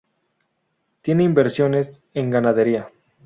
Tiene inversiones en ganadería.